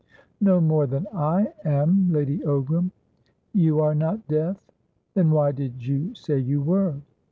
"No more than I am, Lady Ogram." "You are not deaf? Then why did you say you were?"